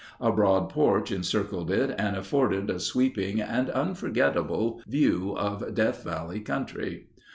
A broad porch encircled it and afforded a sweeping and unforgettable view of Death Valley country.